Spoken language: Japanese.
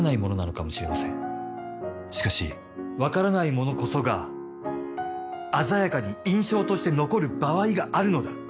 しかし分からないものこそが鮮やかに印象として残る場合があるのだ。